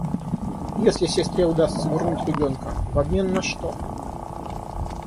Если сестре удастся вернуть ребенка… В обмен на что?